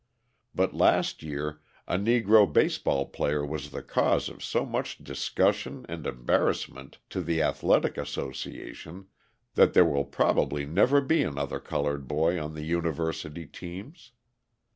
But last year a Negro baseball player was the cause of so much discussion and embarrassment to the athletic association that there will probably never be another coloured boy on the university teams.